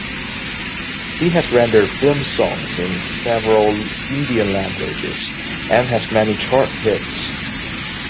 He has rendered film songs in several Indian languages and has many chart hits.